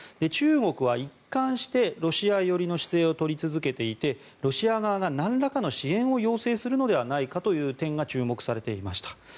中国は一貫してロシア寄りの姿勢を取り続けていてロシア側がなんらかの支援を要請するのではないかという点が注目されていました。